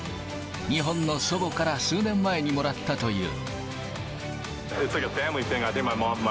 日本の祖母から数年前にもらったという。